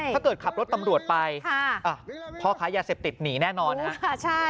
ถ้าเกิดขับรถตำรวจไปพ่อขายาเสพติดหนีแน่นอนฮะ